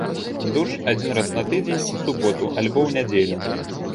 Душ адзін раз на тыдзень, у суботу, альбо ў нядзелю.